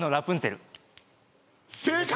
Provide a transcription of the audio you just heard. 正解！